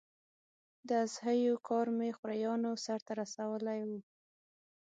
د اضحیو کار مې خوریانو سرته رسولی و.